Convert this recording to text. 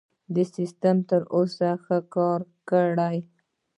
دې سیستم تر اوسه ښه کار کړی.